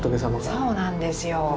そうなんですよ。